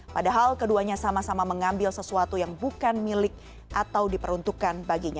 padahal keduanya sama sama mengambil sesuatu yang bukan milik atau diperuntukkan baginya